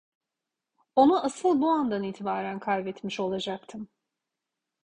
Onu asıl bu andan itibaren kaybetmiş olacaktım.